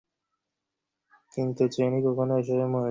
কিন্তু চেনি কখনও এসবে মনোযোগ দেয়নি।